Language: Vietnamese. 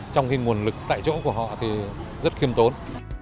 trong khi nguồn lực tại chỗ của họ thì rất khiêm tốn